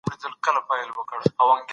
ځوانان کولای سي د ټولني فکري لوری بدل کړي.